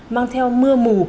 mang theo mưa mù